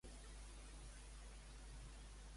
Qui s'explica que habita en aquell lloc?